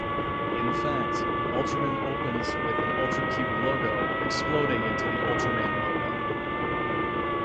In fact, "Ultraman" opens with the "Ultra Q" logo exploding into the "Ultraman" logo.